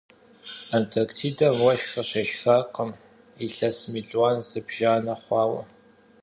Антарктидэм уэшх къыщешхакъым илъэс мелуан зыбжанэ хъуауэ.